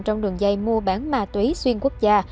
trong đường dây mua bán ma túy xuyên quốc gia